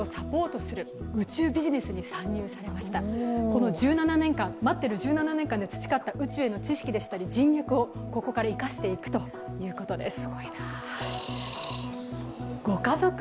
この１７年間、待っている１７年間で培った宇宙の知識でしたり人脈をここから生かしていくということです。